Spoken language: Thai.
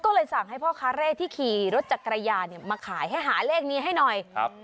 ก็เลยสั่งให้พ่อค้าเร่ที่ขี่รถจักรยานเนี่ยมาขายให้หาเลขนี้ให้หน่อยครับ